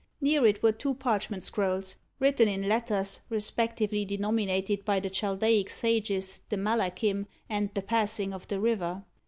Near it were two parchment scrolls, written in letters, respectively denominated by the Chaldaic sages, "the Malachim," and "the Passing of the River."